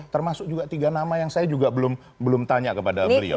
termasuk juga tiga nama yang saya juga belum tanya kepada beliau